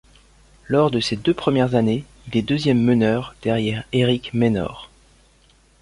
Lors de ses deux premières années, il est deuxième meneur derrière Eric Maynor.